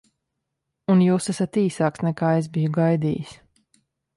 Un jūs esat īsāks, nekā es biju gaidījis.